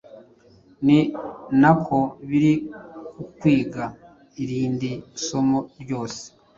ni nako biri ku kwiga irindi somo ryose